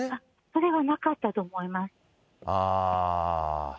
それはなかったと思います。